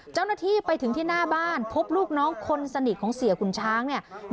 เจ้าหน้าที่ไปถึงที่หน้าบ้านพบลูกน้องคนสนิทของเสียขุนช้างเนี่ย